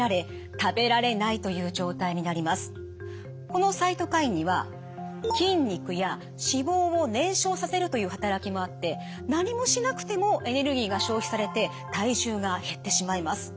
このサイトカインには筋肉や脂肪を燃焼させるという働きもあって何もしなくてもエネルギーが消費されて体重が減ってしまいます。